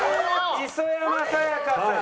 磯山さやかさん。